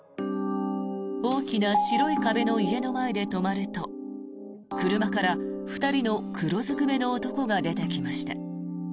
大きな白い壁の家の前で止まると車から２人の黒ずくめの男が出てきました。